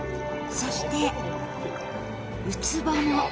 そしてウツボも。